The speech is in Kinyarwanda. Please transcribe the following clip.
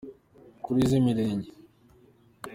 kuri z’imirenge